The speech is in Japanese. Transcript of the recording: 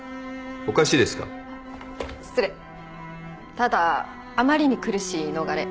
ただあまりに苦しい言い逃れ。